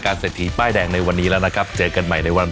ของของผมพริเซนต์ก่อนเลยครับอเมริกาโนเลมน